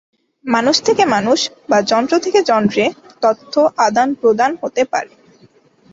মানুষ থেকে মানুষ বা যন্ত্র থেকে যন্ত্রে তথ্য আদান প্রদান হতে পারে।